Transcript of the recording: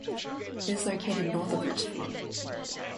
It is located north of Richfield.